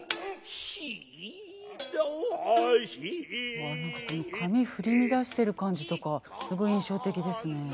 うわ何かこの髪振り乱してる感じとかすごい印象的ですね。